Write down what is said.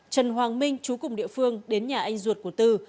trần hoàng minh chú cùng địa phương đến nhà anh ruột của tư